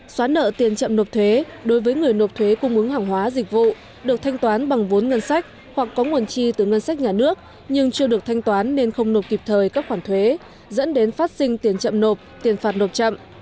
xóa nợ tiền chậm nộp thuế đối với người nộp thuế cung ứng hàng hóa dịch vụ được thanh toán bằng vốn ngân sách hoặc có nguồn chi từ ngân sách nhà nước nhưng chưa được thanh toán nên không nộp kịp thời các khoản thuế dẫn đến phát sinh tiền chậm nộp tiền phạt nộp chậm